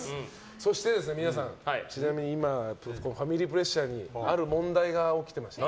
そして皆さん、ちなみに今、ファミリープレッシャーにある問題が起きていまして。